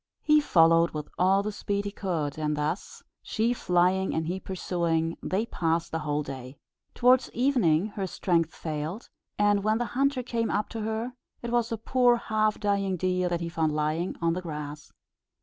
He followed with all the speed he could, and thus, she flying and he pursuing, they passed the whole day. Towards evening her strength failed; and when the hunter came up to her it was a poor half dying deer that he found lying on the grass.